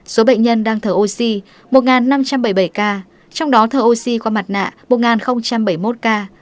số bệnh nhân đang thở oxy một năm trăm bảy mươi bảy ca trong đó thở oxy qua mặt nạ một bảy mươi một ca